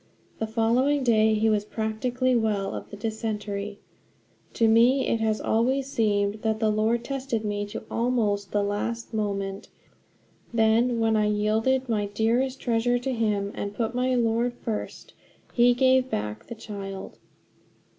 The following day he was practically well of the dysentery. To me it has always seemed that the Lord tested me to almost the last moment; then, when I yielded my dearest treasure to him and put my Lord first, he gave back the child.